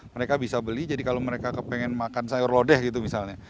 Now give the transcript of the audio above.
mereka bisa beli jadi kalau mereka kepengen makan sayur lodeh gitu misalnya